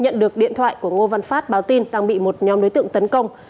nhận được điện thoại của ngô văn phát báo tin đang bị một nhóm đối tượng tấn công